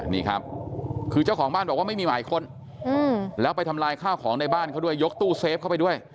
นี่ครับคือเจ้าของบ้านบอกว่าไม่มีหมายค้นแล้วไปทำลายข้าวของในบ้านเขาด้วยยกตู้เซฟเข้าไปด้วย